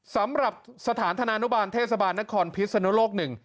สำหรับสถานธนานุบาลเทศบาลนครพิศนุโลกหนึ่ง